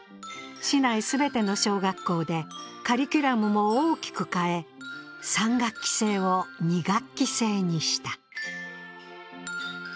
市内全ての小学校でカリキュラムも大きく変え、３学期制を２学期制にした。